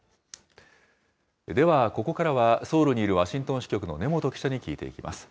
ではここからは、ソウルにいるワシントン支局の根本記者に聞いていきます。